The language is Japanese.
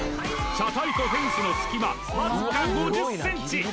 車体とフェンスの隙間わずか５０ｃｍ